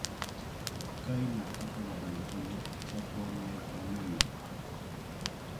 Kay markapa warminkuna chakwanyaykannami.